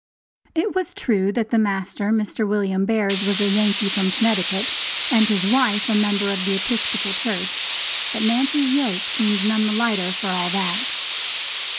It was true that the master, Mr. William Bears, was a Yankee from Connecticut, and his wife a member of the Episcopal Church, but Nancy's yoke seemed none the lighter for all that.